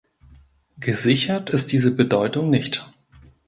Gesichert ist diese Bedeutung nicht.